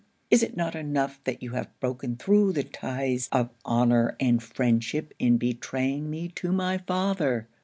Is it not enough that you have broken through the ties of honour and friendship in betraying me to my father?